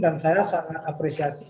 dan saya sangat apresiasi